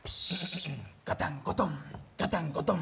ガタンゴトン、ガタンコトン。